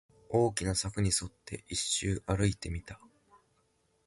大きな柵に沿って、一周歩いてみた